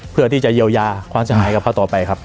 เพื่อที่จะยาวงานหายกับเขาต่อไปครับ